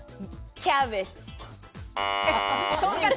キャベツ。